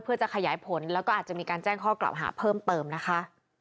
เพื่อจะขยายผลแล้วก็อาจจะมีการแจ้งข้อกล่าวหาเพิ่มเติมนะคะ